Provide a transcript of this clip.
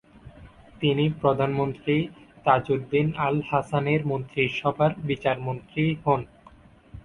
তিনি প্রধানমন্ত্রী তাজউদ্দিন আল-হাসানির মন্ত্রিসভার বিচারমন্ত্রী হন।